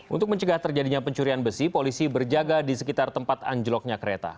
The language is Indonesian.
untuk mencegah terjadinya pencurian besi polisi berjaga di sekitar tempat anjloknya kereta